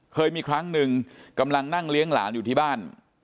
เคยมีครั้งหนึ่งกำลังนั่งเลี้ยงหลานอยู่ที่บ้าน